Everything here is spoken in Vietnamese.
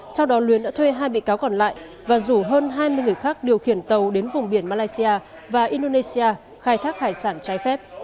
sau đó luyến đã thuê hai bị cáo còn lại và rủ hơn hai mươi người khác điều khiển tàu đến vùng biển malaysia và indonesia khai thác hải sản trái phép